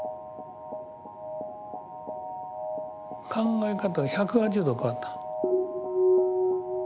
考え方が１８０度変わった。